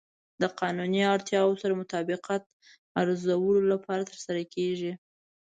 د قانوني اړتیاوو سره د مطابقت ارزولو لپاره ترسره کیږي.